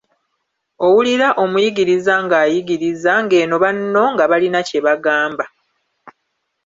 Owulira omuyigiriza ng'ayigiriza eno banno nga balina kye bagamba.